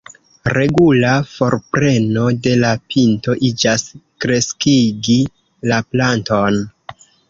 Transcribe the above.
Regula forpreno de la pinto iĝas kreskigi la planton.